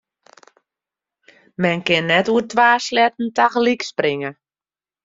Men kin net oer twa sleatten tagelyk springe.